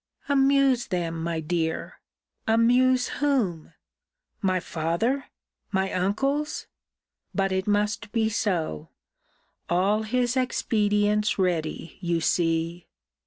Amuse them, my dear! Amuse whom? My father! my uncles! But it must be so! All his expedients ready, you see!